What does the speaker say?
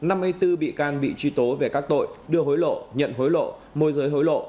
năm mươi bốn bị can bị truy tố về các tội đưa hối lộ nhận hối lộ môi giới hối lộ